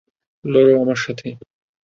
লড়ো আমার সাথে।